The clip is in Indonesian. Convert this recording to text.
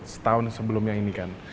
setahun sebelumnya ini kan